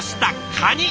カニ！